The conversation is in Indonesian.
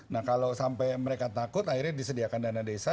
nah kalau sampai mereka takut akhirnya disediakan dana desa